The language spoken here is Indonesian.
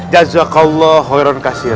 jazakallah khairan khasir ya